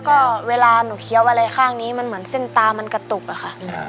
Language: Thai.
ก็เวลาหนูเคี้ยวอะไรข้างนี้มันเหมือนเส้นตามันกระตุกอะค่ะ